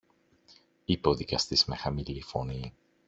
είπε ο δικαστής με χαμηλή φωνή.